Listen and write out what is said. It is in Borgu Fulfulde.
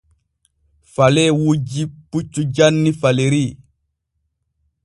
Falee wujjii puccu janni Faleri.